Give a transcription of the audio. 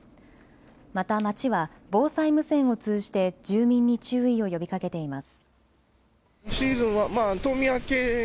また町は防災無線を通じて住民に注意を呼びかけています。